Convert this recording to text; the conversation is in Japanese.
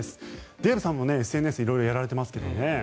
デーブさんもＳＮＳ色々やられてますけどね。